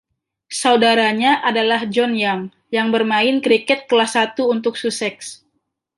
Saudaranya adalah John Young, yang bermain kriket kelas satu untuk Sussex.